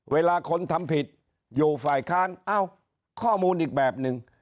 เวลาคนทำผิดอยู่ฝ่ายค้านเอ้าข้อมูลอีกแบบหนึ่ง